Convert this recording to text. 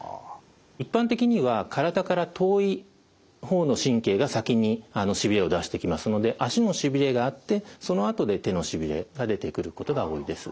一般的には体から遠い方の神経が先にしびれを出してきますので足のしびれがあってそのあとで手のしびれが出てくることが多いです。